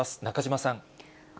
中島さん。